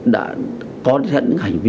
đã có những hành vi